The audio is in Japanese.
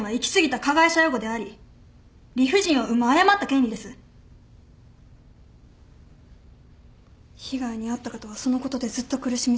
被害に遭った方はそのことでずっと苦しみ続けるのに。